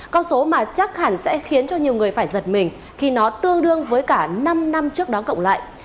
con số mà chắc hẳn sẽ khiến cho nhiều người phải giật mình khi nó tương đương với cả năm năm trước đó cộng lại